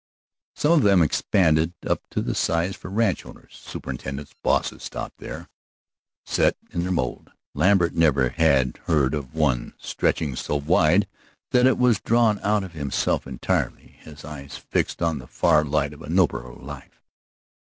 Some of them expanded up to the size for ranch owners, superintendents, bosses; stopped there, set in their mold. Lambert never had heard of one stretching so wide that he was drawn out of himself entirely, his eyes fixed on the far light of a nobler life.